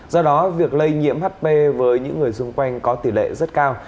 do đó việc lây nhiễm hp với những người xung quanh có tỷ lệ rất cao